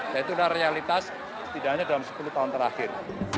dan itu adalah realitas tidak hanya dalam sepuluh tahun terakhir